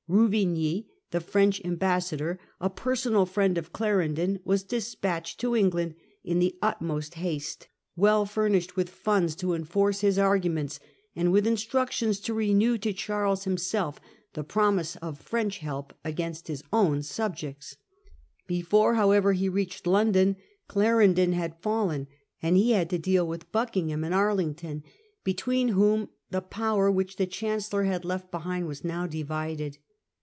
Ruvigny, the French ambassador, a per Contestof sona l friend of Clarendon, was despatched French, to England in the utmost haste, well fur Dutch, and •,,., r i r .. Spaniards nished with funds to enforce his arguments, Kngiish and with instructions to renew to Charles him alliance. se lf the promise of French help against his own subjects. Before however he reached London, Cla rendon had fallen, and he had to deal with Buckingham and Arlington, between whom the power which the Chancellor had left behind was now divided.